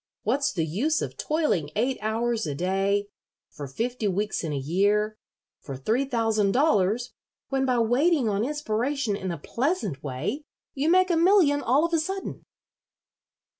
What's the use of toiling eight hours a day for fifty weeks in a year for three thousand dollars when by waiting on inspiration in a pleasant way you make a million all of a sudden?"